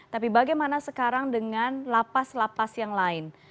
tapi bagaimana sekarang dengan lapas lapas yang lain